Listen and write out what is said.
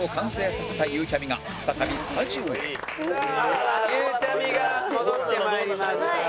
さあゆうちゃみが戻ってまいりました。